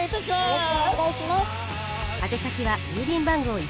よろしくお願いします。